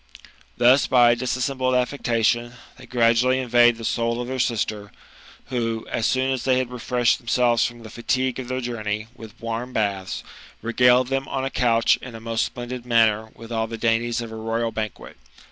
Thus, by a dissembled affection, they gradually invade the soul of dieir sister, who, as soon as they had refreshed them selves from the fatigue of their journey with warm baths, regaled them on a couch in a most splendid manner with all the dainties of a royal banquet.